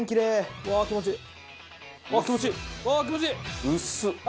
うわー気持ちいい！